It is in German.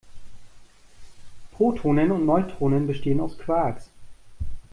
Protonen und Neutronen bestehen aus Quarks.